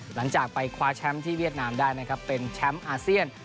หลังจากไปคว้าแชมป์ที่เวียดนามได้นะครับเป็นแชมป์อาเซียน